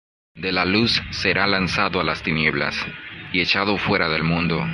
De la luz será lanzado á las tinieblas, Y echado fuera del mundo.